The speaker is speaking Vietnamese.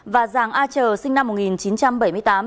và giàng a trờ sinh năm một nghìn chín trăm bảy mươi tám